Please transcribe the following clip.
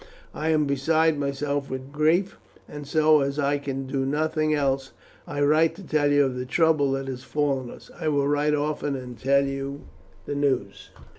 I am beside myself with grief, and so, as I can do nothing else, I write to tell you of the trouble that has befallen us. I will write often and tell you the news."